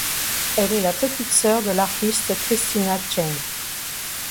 Elle est la petite sœur de l'artiste Christina Chen.